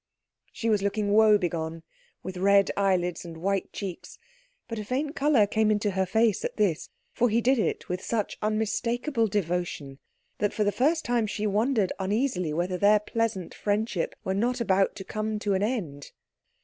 She was looking woebegone, with red eyelids and white cheeks; but a faint colour came into her face at this, for he did it with such unmistakable devotion that for the first time she wondered uneasily whether their pleasant friendship were not about to come to an end.